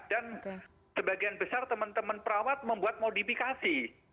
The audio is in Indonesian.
dan sebagian besar teman teman perawat membuat modifikasi